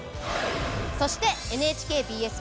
そしてＮＨＫＢＳ